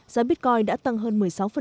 giá bitcoin đã tăng hơn một mươi sáu